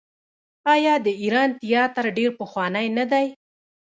آیا د ایران تیاتر ډیر پخوانی نه دی؟